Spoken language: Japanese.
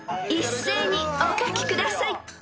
［一斉にお書きください］